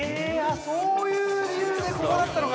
◆そういう理由で、ここだったのか。